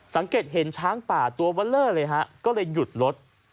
สังเกตเห็นช้างป่าตัวเลอร์เลยฮะก็เลยหยุดรถ